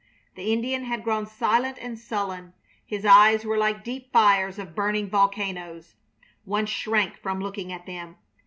The Indian had grown silent and sullen. His eyes were like deep fires of burning volcanoes. One shrank from looking at them.